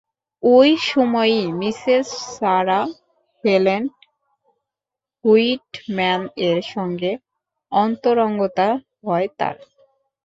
ওই সময়ই Mrs Sarah Helen হুইটম্যান-এর সঙ্গে অন্তরঙ্গতা হয় তার।